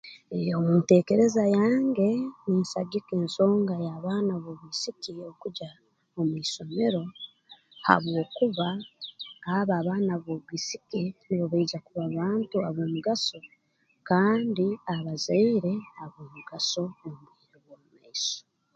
Eeh mu nteekereza yange ninsagika ensonga y'abaana b'obwisiki y'okugya omu isomero habwokuba abo abaana ab'obwisiki nubo baija kuba bantu ab'omugaso kandi abazaire ab'omugaso mu bwire bw'omu maiso